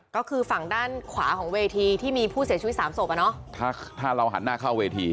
ก็คือฝั่งด้านขวาของเวทีที่มีผู้เสียชีวิตสามศพอ่ะเนอะถ้าถ้าเราหันหน้าเข้าเวที